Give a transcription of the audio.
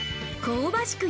香ばしく